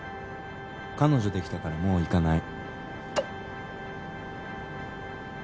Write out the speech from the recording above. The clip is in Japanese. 「彼女できたからもう行かない」。